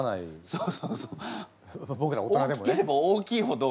そうそうそう。